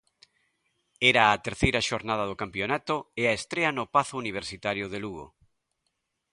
Era a terceira xornada do campionato e a estrea no Pazo Universitario de Lugo.